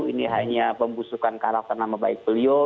ini hanya pembusukan karakter nama baik beliau